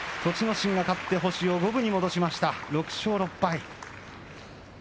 心が勝って星を五分に戻しました６勝６敗。